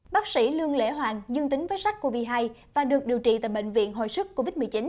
bác sĩ lương lễ hoàng dương tính với sắc covid một mươi chín và được điều trị tại bệnh viện hồ sức covid một mươi chín